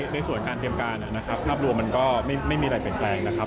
ในส่วนการเตรียมการนะครับภาพรวมมันก็ไม่มีอะไรเปลี่ยนแปลงนะครับ